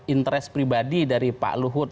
interest pribadi dari pak luhut